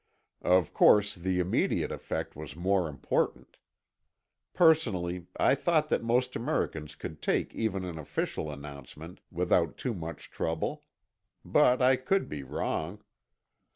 Of course, the immediate effect was more important. Personally, I thought that most Americans could take even an official announcement without too much trouble. But I could be wrong.